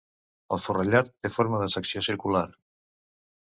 El forrellat té forma de secció circular.